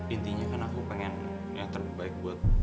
intinya kan aku pengen yang terbaik buat